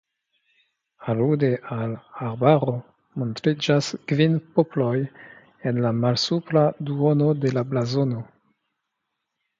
Alude al "Arbaro" montriĝas kvin poploj en la malsupra duono de la blazono.